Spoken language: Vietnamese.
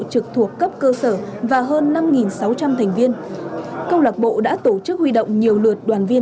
trực thuộc cấp cơ sở và hơn năm sáu trăm linh thành viên câu lạc bộ đã tổ chức huy động nhiều lượt đoàn viên